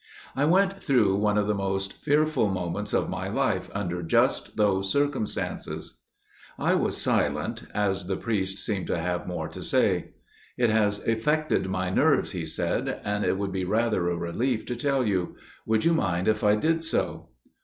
I went through one of the most fearful moments of my life under just those circumstances." I was silent, as the priest seemed to have more to say. "It has affected my nerves," he said, "and it would be rather a relief to tell you. Would you mind if I did so?"